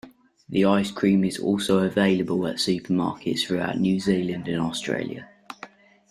The Ice cream is also available at supermarkets throughout New Zealand and Australia.